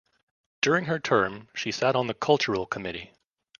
During her term she sat on the Cultural Committee.